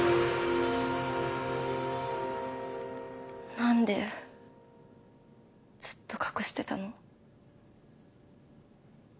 なんでずっと隠してたの？